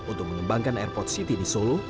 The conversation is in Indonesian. untuk mengembangkan airport city di solo